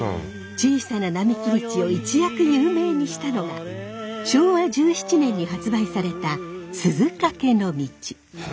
小さな並木道を一躍有名にしたのが昭和１７年に発売された「鈴懸の径」。